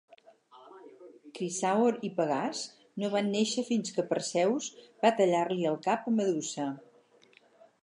Crisàor i Pegàs no van néixer fins que Perseus va tallar-li el cap a Medusa.